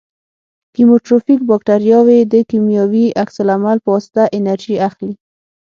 کیموټروفیک باکتریاوې د کیمیاوي عکس العمل په واسطه انرژي اخلي.